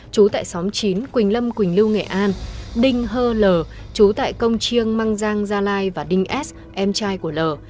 chú tại xóm chín quỳnh lâm quỳnh lưu nghệ an đinh hơ l chú tại công chiêng măng giang gia lai và đinh s em trai của l